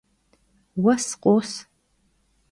Vues khos.